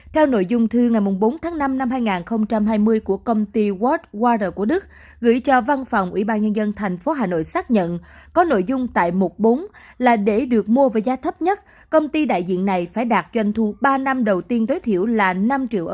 theo nội dung thư ngày bốn tháng năm năm hai nghìn hai mươi của công ty watt water của đức gửi cho văn phòng ủy ban nhân dân tp hà nội xác nhận có nội dung tại mục bốn là để được mua với giá thấp nhất công ty đại diện này phải đạt doanh thu ba năm đầu tiên tối thiểu là năm triệu usd